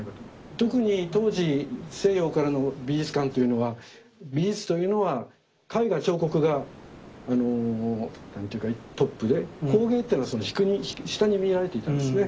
特に当時西洋からの美術観というのは美術というのは絵画彫刻がトップで工芸っていうのはその下に見られていたんですね。